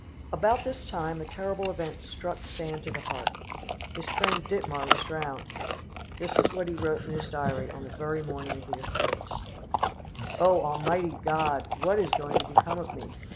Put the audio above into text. About this time a terrible event struck Sand to the heart; his friend Dittmar was drowned. This is what he wrote in his diary on the very morning of the occurrence: "Oh, almighty God! What is going to become of me?